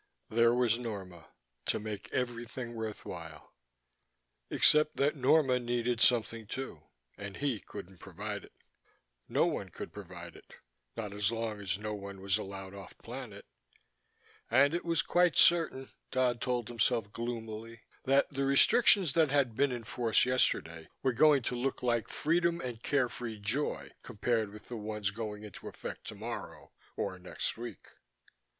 There was Norma to make everything worth while except that Norma needed something, too, and he couldn't provide it. No one could provide it, not as long as no one was allowed off planet. And it was quite certain, Dodd told himself gloomily, that the restrictions that had been in force yesterday were going to look like freedom and carefree joy compared with the ones going into effect tomorrow, or next week.